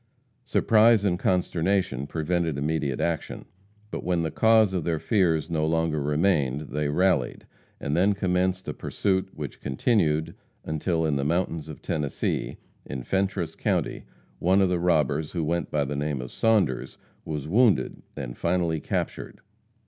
Surprise and consternation prevented immediate action. But when the cause of their fears no longer remained, they rallied, and then commenced a pursuit which continued until in the mountains of Tennessee, in Fentress county, one of the robbers, who went by the name of Saunders, was wounded and finally captured.